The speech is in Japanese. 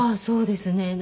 そうですね。